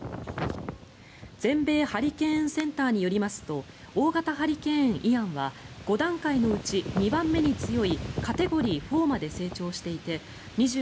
全米ハリケーンセンターによりますと大型ハリケーン、イアンは５段階のうち２番目に強いカテゴリー４まで成長していて２８日